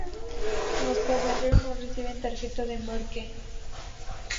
Los pasajeros no reciben tarjeta de embarque.